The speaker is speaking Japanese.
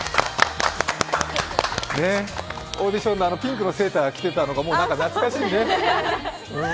オーディションのピンクのセーター着てたのが懐かしいね。